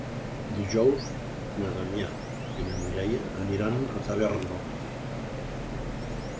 Dijous na Damià i na Mireia aniran a Tavèrnoles.